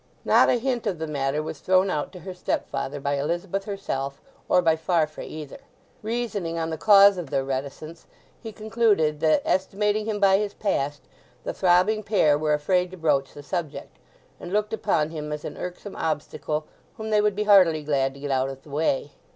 Not a hint of the matter was thrown out to her stepfather by Elizabeth herself or by Farfrae either. Reasoning on the cause of their reticence he concluded that, estimating him by his past, the throbbing pair were afraid to broach the subject, and looked upon him as an irksome obstacle whom they would be heartily glad to get out of the way.